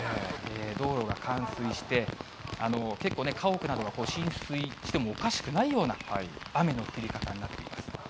道路が冠水して、結構ね、家屋などが浸水してもおかしくないような雨の降り方になっています。